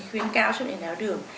khuyên cao cho đến nào được